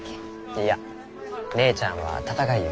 いいや姉ちゃんは闘いゆうき。